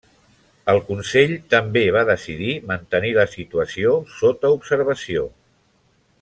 El Consell també va decidir mantenir la situació sota observació.